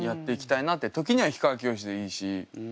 時には氷川きよしでいいし。